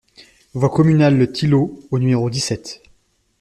Voie Communale Le Tuilot au numéro dix-sept